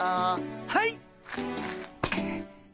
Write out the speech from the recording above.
はい。